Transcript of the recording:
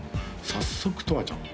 早速とわちゃん